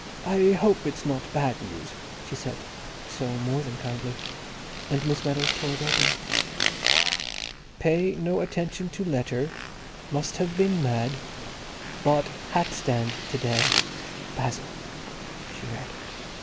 "I hope it's not bad news," she said, so more than kindly. And Miss Meadows tore it open. "Pay no attention to letter, must have been mad, bought hat stand to day—Basil," she read.